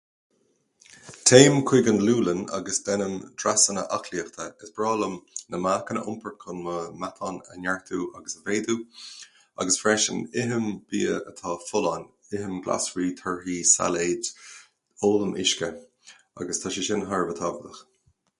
Téim chuig an lúthlann agus déanaim dreasanna aclaíochta. Is breá liom na meáchain a iompair chun mo mheatáin a neartú agus a mhéadú. Agus freisin, ithim bia atá folláin. Ithim glasraí, torthaí, sailéid. Ólaim uisce agus tá sé sin thar a bheith tábhachtach.